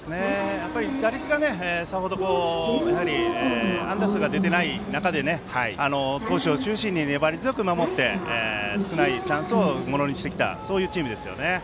打率がさほど安打数が出ていない中で投手を中心に粘り強く守って少ないチャンスをものにしてきたチームですよね。